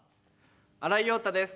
新井庸太です。